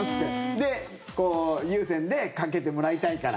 で、ＵＳＥＮでかけてもらいたいから。